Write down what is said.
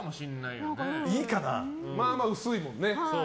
まあまあ薄いもんね。